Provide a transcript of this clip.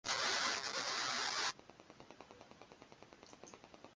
Se extiende desde el Río Balsas hasta el Puerto de Acapulco.